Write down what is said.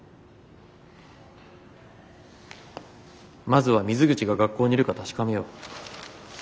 まずは水口が学校にいるか確かめよう。